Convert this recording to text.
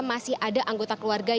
masih ada anggota keluarga